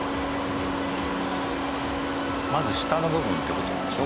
まず下の部分って事なんでしょ？